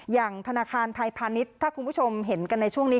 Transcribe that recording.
อย่างธนาคารไทยพาณิชย์ถ้าคุณผู้ชมเห็นกันในช่วงนี้